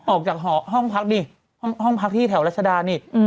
ออกจากห้องพักที่แถวรัชดานี่